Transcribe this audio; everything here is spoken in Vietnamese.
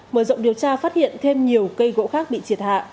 mở rộng điều tra phát hiện thêm nhiều cây gỗ khác bị triệt hạ